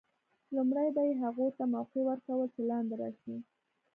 لومړی به یې هغو ته موقع ور کول چې لاندې راشي.